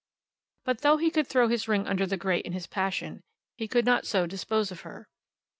But though he could throw his ring under the grate in his passion, he could not so dispose of her.